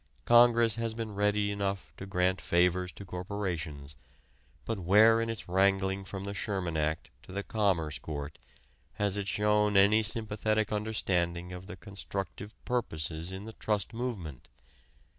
Congress has been ready enough to grant favors to corporations, but where in its wrangling from the Sherman Act to the Commerce Court has it shown any sympathetic understanding of the constructive purposes in the trust movement?